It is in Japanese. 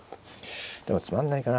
でもつまんないかな。